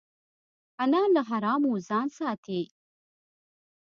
انا له حرامو ځان ساتي